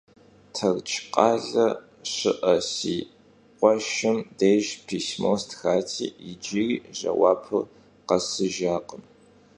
Terçkhale şı'e si khueşşım dêjj pismo stxati, yicıri jjeuapır khesıjjakhım.